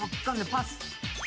パス。